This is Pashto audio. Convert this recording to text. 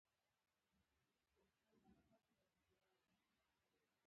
د ټول عمر لپاره بې عقل پاتې کېږي.